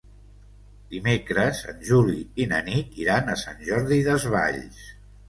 Dimecres en Juli i na Nit iran a Sant Jordi Desvalls.